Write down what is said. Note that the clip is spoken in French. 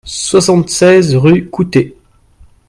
soixante-seize rue Coutey